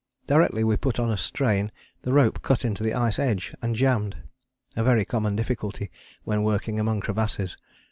Directly we put on a strain the rope cut into the ice edge and jammed a very common difficulty when working among crevasses.